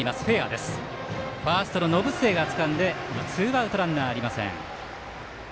ファーストの延末がつかんでツーアウト、ランナーありません。